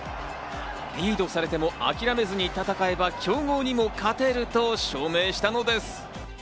リードされても諦めずに戦えば、強豪にも勝てると証明したのです。